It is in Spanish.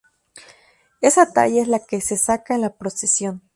Esta talla es la que se saca en la procesión.